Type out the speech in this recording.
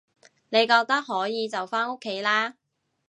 你覺得可以就返屋企啦